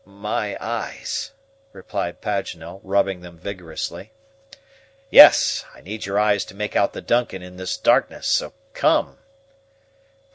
"My eyes," replied Paganel, rubbing them vigorously. "Yes, I need your eyes to make out the DUNCAN in this darkness, so come."